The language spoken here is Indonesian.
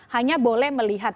hanya boleh melihat